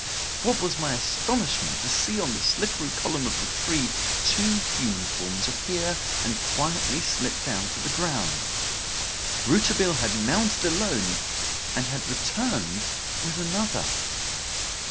What was my astonishment to see on the slippery column of the tree two human forms appear and quietly slip down to the ground. Rouletabille had mounted alone, and had returned with another.